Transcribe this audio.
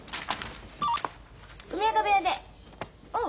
☎梅若部屋でおう！